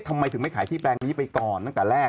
ทำไมถึงไม่ขายที่แปลงนี้ไปก่อนตั้งแต่แรก